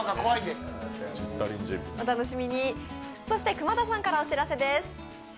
久間田さんからお知らせです。